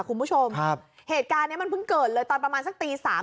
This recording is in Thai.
คุณผู้ชมครับเหตุการณ์เนี้ยมันเพิ่งเกิดเลยตอนประมาณสักตีสาม